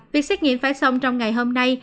việc xét nghiệm phải xong trong ngày hôm nay